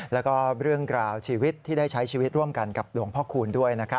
แล้วก็เรื่องกล่าวชีวิตที่ได้ใช้ชีวิตร่วมกันกับหลวงพ่อคูณด้วย